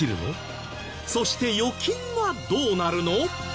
そして預金はどうなるの？